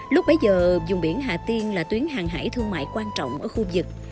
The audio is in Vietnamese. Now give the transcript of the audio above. lúc bấy giờ dùng biển hà tiên là tuyến hàng hải thương mại quan trọng ở khu vực